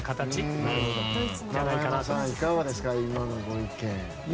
いかがですか今のご意見。